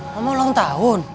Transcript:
kamu ulang tahun